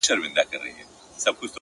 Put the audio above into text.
• اور دي په کلي مرګ دي په خونه ,